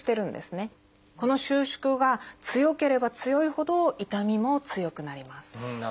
この収縮が強ければ強いほど痛みも強くなります。